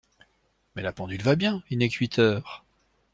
Mais la pendule va bien ; il n’est que huit heures.